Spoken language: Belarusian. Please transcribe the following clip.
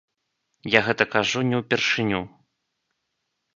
Я гэта кажу не ўпершыню.